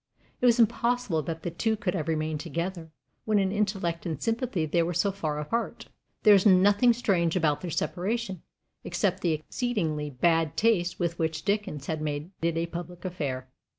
It was impossible that the two could have remained together, when in intellect and sympathy they were so far apart. There is nothing strange about their separation, except the exceedingly bad taste with which Dickens made it a public affair.